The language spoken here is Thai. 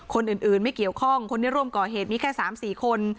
คนอื่นไม่เกี่ยวข้องคนที่ร่วมก่อเหตุมีแค่๓๔คน